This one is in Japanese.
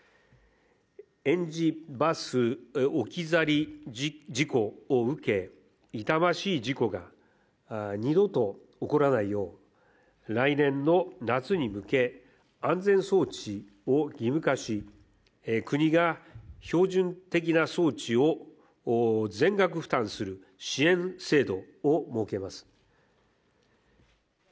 園児バス置き去り事故を受け、痛ましい事故が二度と起こらないよう来年の夏に向け、安全装置を義務化し、国が標準的な装置を全額負担する支援制度を設けます。